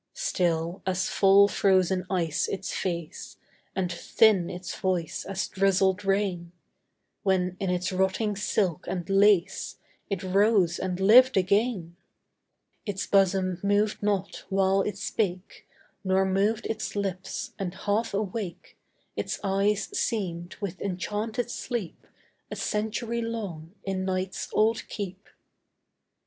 Still as fall frozen ice its face, And thin its voice as drizzled rain, When in its rotting silk and lace It rose and lived again: Its bosom moved not while it spake; Nor moved its lips; and half awake Its eyes seemed with enchanted sleep A century long in night's old keep.